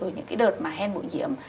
rồi những cái đợt mà hen bụi nhiễm